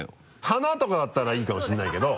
「花」とかだったらいいかもしれないけど。